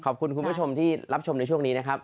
ขอบคุณคุณผู้ชมที่รับชมในช่วงนี้นะครับ